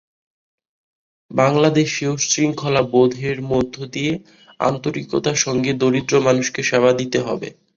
বাংলাদেশেও শৃঙ্খলাবোধের মধ্য দিয়ে আন্তরিকতার সঙ্গে দরিদ্র মানুষকে সেবা দিতে হবে।